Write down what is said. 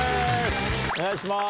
お願いします。